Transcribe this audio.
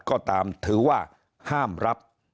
ก็ตามถือว่าห้ามรับ